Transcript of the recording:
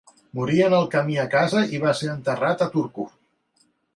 Morí en el camí a casa i va ser enterrat a Turku.